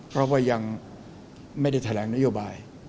เพราะว่ายังไม่ได้แถลงนโยบาย